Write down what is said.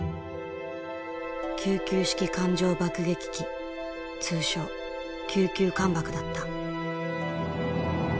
九九式艦上爆撃機通称九九艦爆だった。